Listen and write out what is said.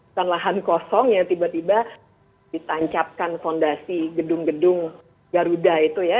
bukan lahan kosong yang tiba tiba ditancapkan fondasi gedung gedung garuda itu ya